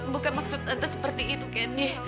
bukan maksud tante seperti itu candy